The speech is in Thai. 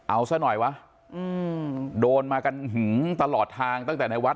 เอาซะหน่อยวะโดนมากันตลอดทางตั้งแต่ในวัด